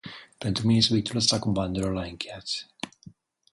Pentru mine, subiectul ăsta cu banderola e încheiat.